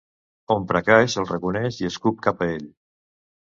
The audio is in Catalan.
Omprakash el reconeix i escup cap a ell.